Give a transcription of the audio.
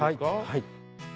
はい。